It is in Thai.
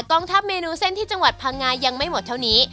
กองทัพเมนูเส้นที่จังหวัดพังงายังไม่หมดเท่านี้